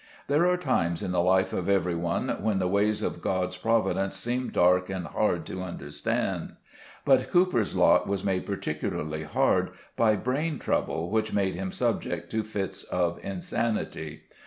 There are times in the life of every one when the ways of God's providence seem dark and hard to understand. But Cowper's lot was made particu larly hard by brain trouble which made him subject to fits of insanity.